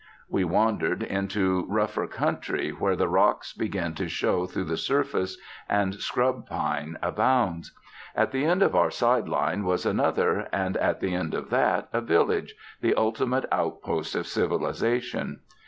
We wandered into rougher country, where the rocks begin to show through the surface, and scrub pine abounds. At the end of our side line was another, and at the end of that a village, the ultimate outpost of civilisation.